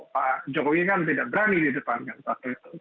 pak jokowi kan tidak berani di depan kan saat itu